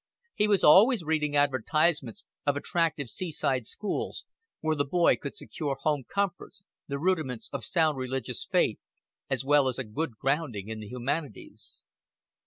He was always reading advertisements of attractive seaside schools, where the boy could secure home comforts, the rudiments of sound religious faith, as well as a good grounding in the humanities.